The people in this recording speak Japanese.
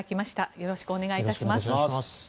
よろしくお願いします。